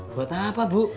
buat apa bu